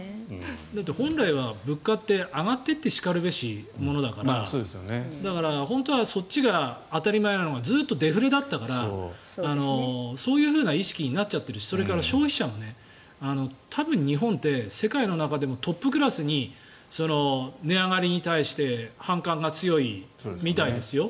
本来は物価って上がっていってしかるべしものだからだから、本当はそっちが当たり前なのがずっとデフレだったからそういう意識になっちゃってるしそれから消費者も多分、日本って世界の中でもトップクラスに値上がりに対して反感が強いみたいですよ。